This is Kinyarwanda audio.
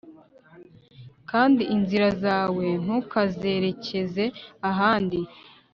kandi inzira zawe ntukazerekeze ahandi